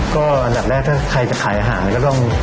ก็อันดับแรกถ้าใครจะขายหายก็ต้อง